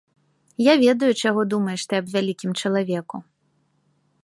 Я ведаю, чаго думаеш ты аб вялікім чалавеку.